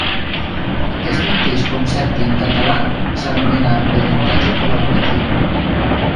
Aquest mateix concepte en català s'anomena: aprenentatge col·laboratiu.